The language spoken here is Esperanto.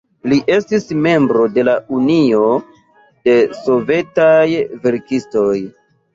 Li estis membro de Unio de Sovetaj Verkistoj.